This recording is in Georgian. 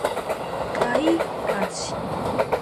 კაი კაცი